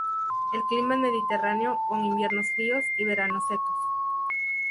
El clima es mediterráneo con inviernos fríos y veranos secos.